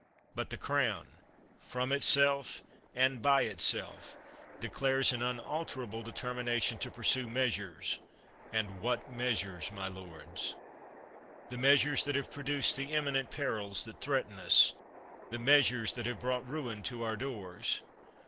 but the Crown, from itself and by itself, declares an unalterable determination to pursue measures — and what measures, my lords. The measures that have produced the imminent perils that threaten us; the measures that have brought ruin to our doors.